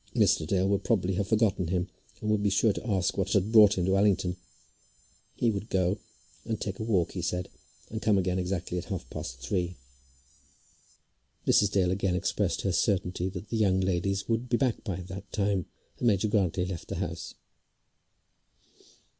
Mr. Dale would probably have forgotten him, and would be sure to ask what had brought him to Allington. He would go and take a walk, he said, and come again exactly at half past three. Mrs. Dale again expressed her certainty that the young ladies would be back by that time, and Major Grantly left the house.